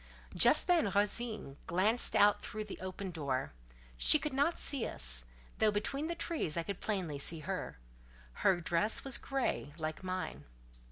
Just then Rosine glanced out through the open door; she could not see us, though between the trees I could plainly see her: her dress was grey, like mine.